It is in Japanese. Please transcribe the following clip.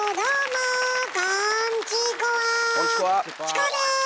チコです！